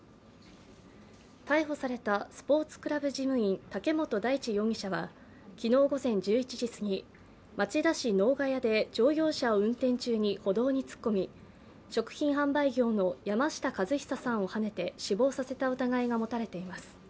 逮捕されたスポーツクラブ事務員竹本大地容疑者は昨日午前１１時過ぎ、町田市能ヶ谷で乗用車を運転中に歩道に突っ込み食品販売業の山下和久さんをはねて死亡させた疑いが持たれています。